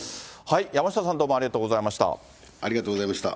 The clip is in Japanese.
山下さん、どうもありがとうござありがとうございました。